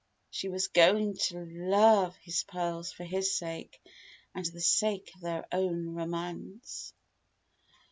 She was going to love his pearls for his sake, and the sake of their own romance!